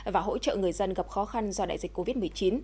và hỗ trợ người dân gặp khó khăn do đại dịch covid một mươi chín